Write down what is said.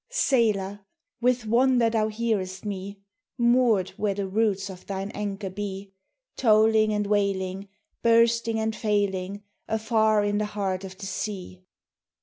SAILOR! with wonder thou hearest me, Moored where the roots of thine anchors be, Tolling and wailing, bursting and failing, afar in the heart of the sea.